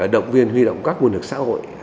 động viên huy động các nguồn lực xã hội